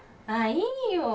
ああいいよ。